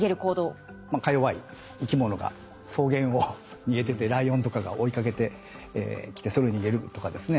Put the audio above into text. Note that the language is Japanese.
かよわい生き物が草原を逃げててライオンとかが追いかけてきてそれで逃げるとかですね。